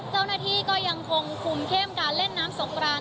เจ้าหน้าที่ก็ยังคงคุมเข้มการเล่นน้ำสงกราน